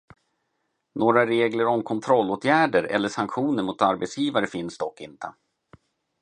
Några regler om kontrollåtgärder eller sanktioner mot arbetsgivare finns dock inte.